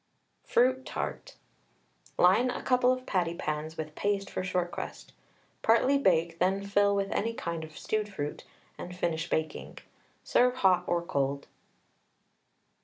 FRUIT TART. Line a couple of patty pans with paste for short crust. Partly bake, then fill with any kind of stewed fruit, and finish baking. Serve hot or cold.